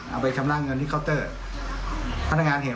เอาไปชำระเงินที่เคาน์เตอร์